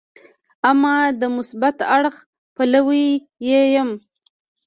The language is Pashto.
اما د مثبت اړخ پلوی یې یم.